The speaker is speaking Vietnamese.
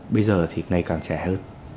bây giờ thì ngày càng trẻ hơn